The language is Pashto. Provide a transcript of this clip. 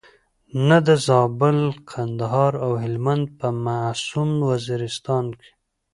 نه د زابل، کندهار او هلمند په معصوم وزیرستان کې.